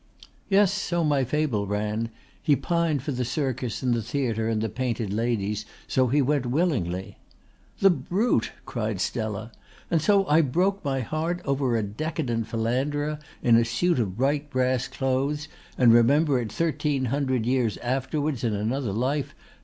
"Yes, so my fable ran. He pined for the circus and the theatre and the painted ladies, so he went willingly." "The brute," cried Stella. "And so I broke my heart over a decadent philanderer in a suit of bright brass clothes and remember it thirteen hundred years afterwards in another life!